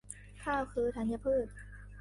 ข้าวคือธัญพืช